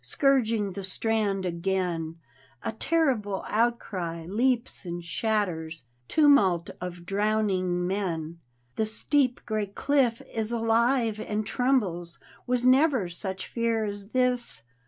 Scourging the strand again, A terrible outcry leaps and shatters — Tumult of drowning men. The steep gray cliff is alive and trembles — Was never such fear as this!